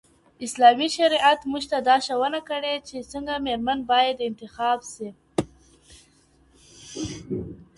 اسلامي شريعت موږ ته دا ښوونه کړې، چي څنګه ميرمن بايد انتخاب سي